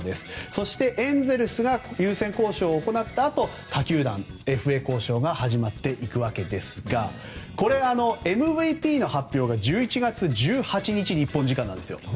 そして、エンゼルスが優先交渉を行ったあと他球団、ＦＡ交渉が始まっていくわけですがこれ、ＭＶＰの発表が日本時間の１１月１８日なんですよ。